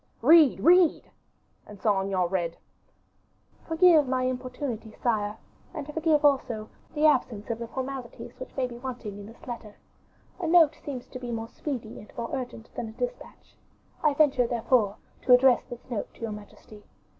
"Read, read!" And Saint Aignan read: "Forgive my importunity, sire; and forgive, also, the absence of the formalities which may be wanting in this letter. A note seems to be more speedy and more urgent than a dispatch. I venture, therefore, to address this note to your majesty.